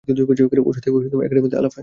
ওর সাথে একাডেমিতে আলাপ হয়।